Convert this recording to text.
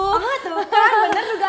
oh gitu kan bener juga